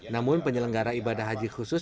namun penyelenggara ibadah haji khusus